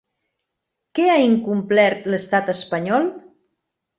Què ha incomplert l'Estat espanyol?